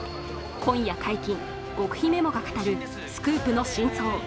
今夜解禁、極秘メモが語るスクープの真相。